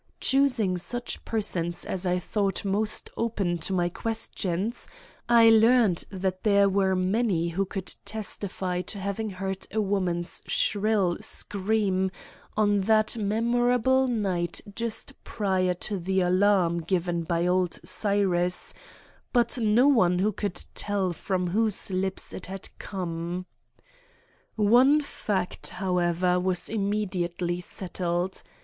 Choosing such persons as I thought most open to my questions, I learned that there were many who could testify to having heard a woman's shrill scream on that memorable night just prior to the alarm given by old Cyrus, but no one who could tell from whose lips it had come. One fact, however, was immediately settled.